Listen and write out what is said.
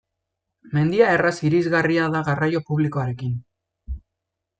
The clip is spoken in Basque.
Mendia erraz irisgarria da garraio publikoarekin.